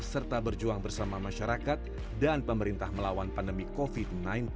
serta berjuang bersama masyarakat dan pemerintah melawan pandemi covid sembilan belas